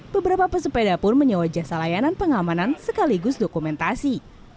beberapa pesepeda pun menyewa jasa layanan pengamanan sekaligus dokumentasi